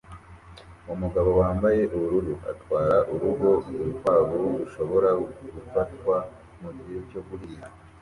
Umugabo wambaye ubururu atwara urugo urukwavu rushobora gufatwa mugihe cyo guhiga